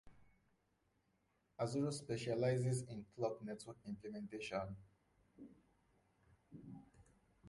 Azuro specializes in clock network implementation.